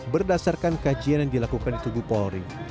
berdasarkan kajian yang dilakukan di tubuh polri